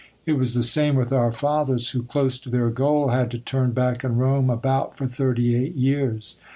It was the same with our fathers who, close to their goal, had to turn back and roam about for thirty eight years.